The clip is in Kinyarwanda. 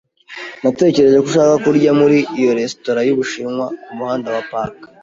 Natekereje ko ushaka kurya muri iyo resitora y'Ubushinwa kumuhanda wa Park.